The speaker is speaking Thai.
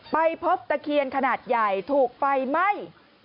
ไปพบตะเคียนขนาดใหญ่ถูกไฟไหม้